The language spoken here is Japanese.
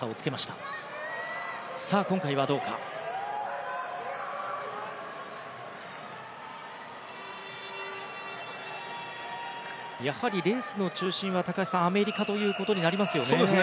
高橋さん、やはりレースの中心はアメリカということになりますよね。